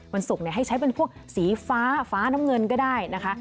ศุกร์ให้ใช้เป็นพวกสีฟ้าฟ้าน้ำเงินก็ได้นะคะ